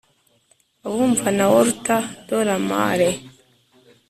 abumvana walter de la mare